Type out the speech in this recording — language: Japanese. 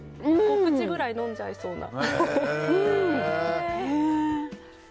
５口ぐらい飲んじゃいそうな。